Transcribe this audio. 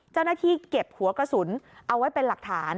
เจ้าหน้าที่เก็บหัวกระสุนเอาไว้เป็นหลักฐาน